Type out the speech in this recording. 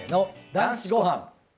『男子ごはん』。